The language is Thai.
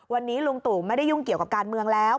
วันนี้ลุงตู่ไม่ได้ยุ่งเกี่ยวกับการเมืองแล้ว